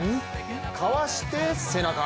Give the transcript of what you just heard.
かわして、背中。